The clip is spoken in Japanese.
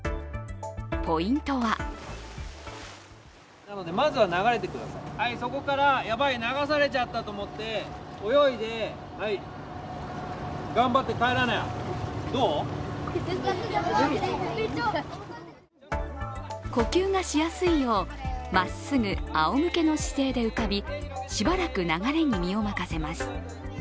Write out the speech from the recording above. ポイントは呼吸がしやすいよう、まっすぐあおむけの姿勢で浮かび、しばらく流れに身を任せます。